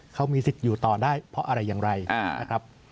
เขามีสิทธิ์อยู่ต่อได้เพราะอะไรอย่างไรนะครับ